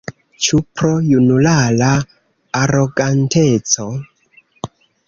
Ĉu pro junulara aroganteco?